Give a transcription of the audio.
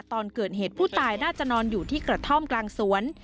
ตอนเกิดเหตุผู้ตายน่าจะนอนอยู่ที่กระท่อมกลางสวน